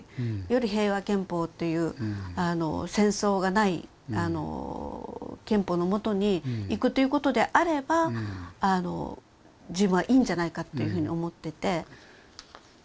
より平和憲法という戦争がない憲法のもとにいくということであれば自分はいいんじゃないかっていうふうに思ってて。